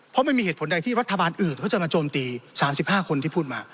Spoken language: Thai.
เพราะไม่มีเหตุผลใดที่รัฐบาลอื่นเขาจะมาโจมตี๓๕คนที่พูดมา